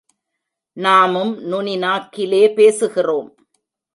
நாமும் நுனி நாக்கிலே பேசுகிறோம்.